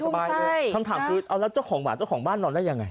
คำถามคือเอาแล้วเจ้าของหมาเจ้าของบ้านนอนได้ยังไง